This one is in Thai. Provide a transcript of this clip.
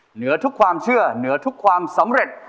เหนือทุกความเชื่อเหนือทุกความสำเร็จ